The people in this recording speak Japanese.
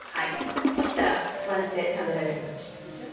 落ちたら割れて食べられなくなってしまいますよね？